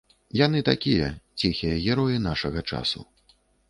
Яны такія, ціхія героі нашага часу.